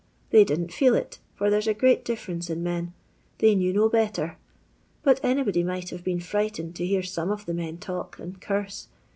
They didn't fieel it, for there 's a great diflFerence in men. They knew no better. But anybody might have been fri^tened to bear some of the men talk and curse.